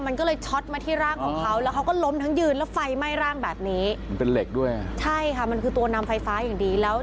มันก็เลยช็อตต์มาที่ร่างของเขาอ๋อ